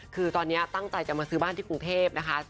คือตอนนี้ตั้งใจจะมาซื้อบ้านที่กรุงเทพนะคะ